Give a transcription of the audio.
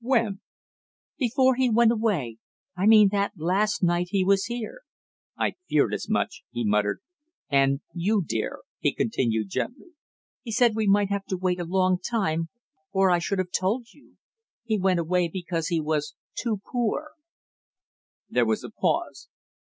"When?" "Before he went away I mean that last night he was here." "I feared as much!" he muttered. "And you, dear?" he continued gently. "He said we might have to wait a long time or I should have told you! He went away because he was too poor " There was a pause.